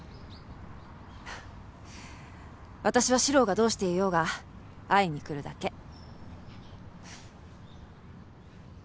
私は獅郎がどうしていようが会いに来るだけ。